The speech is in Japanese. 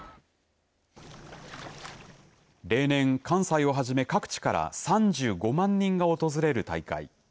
例年、関西をはじめ各地から３５万人が訪れる大会。